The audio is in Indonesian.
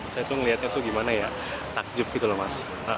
saya tuh ngeliatnya tuh gimana ya takjub gitu loh mas